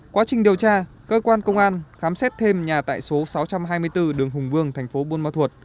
quá trình điều tra cơ quan công an khám xét thêm nhà tại số sáu trăm hai mươi bốn đường hùng vương thành phố buôn ma thuột